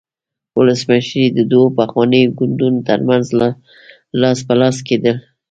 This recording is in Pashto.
ولسمشري د دوو پخوانیو ګوندونو ترمنځ لاس په لاس کېدل.